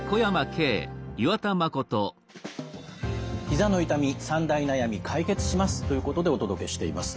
「ひざの痛み３大悩み解決します！」ということでお届けしています。